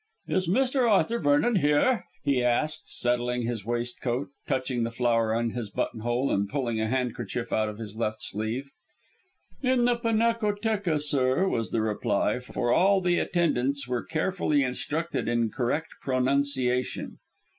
"Is Mr. Arthur Vernon here?" he asked, settling his waistcoat, touching the flower in his button hole, and pulling a handkerchief out of his left sleeve. "In the pinacotheca, sir," was the reply, for all the attendants were carefully instructed in correct pronunciation.